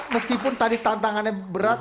meskipun tadi tantangannya berat